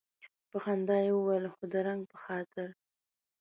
په خندا یې وویل هو د رنګ په خاطر.